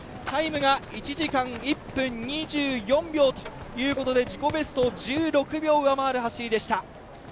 タイムが１時間１分２４秒ということで自己ベストを１６秒上回る走りでした。